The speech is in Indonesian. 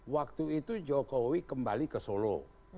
waktu itu jokowi kembali ke solo